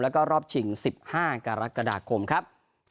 แล้วก็รอบชิง๑๕กรกฎาคมครับ